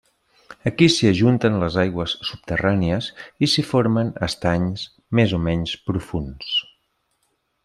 Aquí s'hi ajunten les aigües subterrànies, i s'hi formen estanys més o menys profunds.